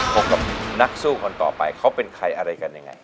พบกับนักสู้คนต่อไปเขาเป็นใครอะไรกันยังไง